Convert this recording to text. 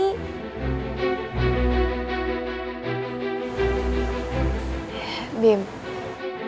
dan kamu juga berhak bib nemuin kebahagiaan kamu sendiri